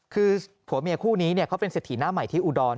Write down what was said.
คือผัวเมียคู่นี้เขาเป็นเศรษฐีหน้าใหม่ที่อุดร